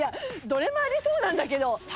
どれもありそうなんだけど。